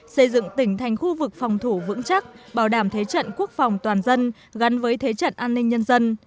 xây dựng tỉnh thành khu vực phòng thủ vững chắc bảo đảm thế trận quốc phòng toàn dân gắn với thế trận an ninh nhân dân